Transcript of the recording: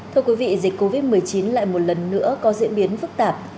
thưa quý vị dịch covid một mươi chín lại một lần nữa có diễn biến phức tạp